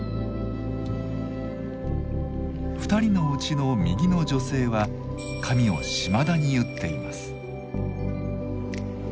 ２人のうちの右の女性は髪を島田に結っています。